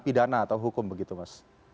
pidana atau hukum begitu mas